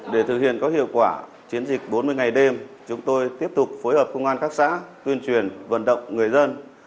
để thực hiện có hiệu quả chiến dịch bốn mươi ngày đêm chúng tôi tiếp tục phối hợp công an các xã tuyên truyền vận động người dân